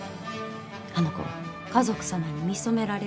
あの子は華族様に見初められる。